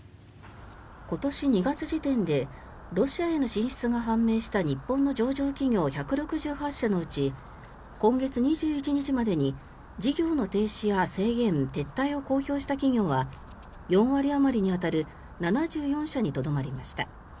今年２月時点でロシアへの進出が判明した日本の上場企業１６８社のうち今月２１日までに事業の停止や制限、撤退を公表した企業は４割あまりに当たる７４社にとどまりました。